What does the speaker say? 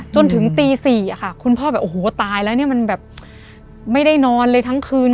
จนถึงตี๔ค่ะคุณพ่อแบบโอ้โหตายแล้วเนี่ยมันแบบไม่ได้นอนเลยทั้งคืน